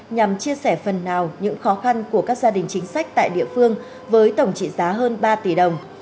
nhằm chia sẻ phần nào những khó khăn của các gia đình chính sách tại địa phương với tổng trị giá hơn ba tỷ đồng